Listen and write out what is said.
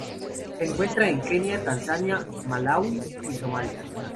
Se encuentra en Kenia, Tanzania, Malaui y Somalia.